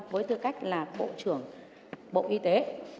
với tư cách là bộ trưởng bộ y tế